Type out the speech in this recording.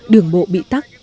đường bộ bị tắt